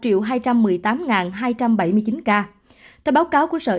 theo báo cáo